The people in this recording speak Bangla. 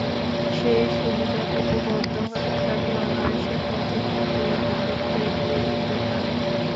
সেই সুবিধাটুকু বন্ধ হলে তাকে অনায়াসে পথের কুকুরের মতো খেদিয়ে দিতে পারে।